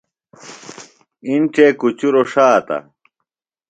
اِنڇے کُچروۡ ݜاتہ ۔